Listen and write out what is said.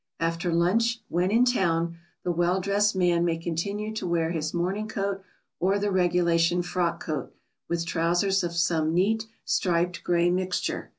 After lunch, when in town, the well dressed man may continue to wear his morning coat or the regulation frock coat, with trousers of some neat, striped grey mixture.